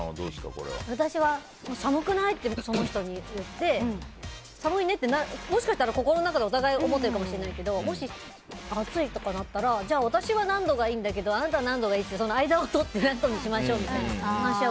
私は寒くない？ってその人に言って寒いねってもしかしたら心の中でお互いに思ってるかもしれないけどもし暑いとかなったら、私は何度がいいんだけどあなたは何度がいい？って間をとって何度にしましょうとか。